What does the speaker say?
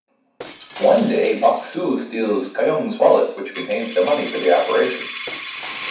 One day Bok-su steals Kyung's wallet which contains the money for the operation.